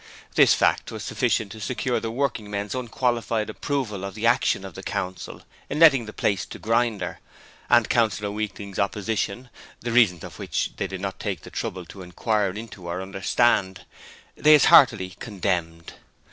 This fact was sufficient to secure the working men's unqualified approval of the action of the Council in letting the place to Grinder, and Councillor Weakling's opposition the reasons of which they did not take the trouble to inquire into or understand they as heartily condemned.